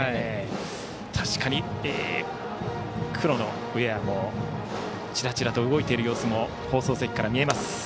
確かに黒のウエアもちらちらと動いている様子も放送席からも見えます。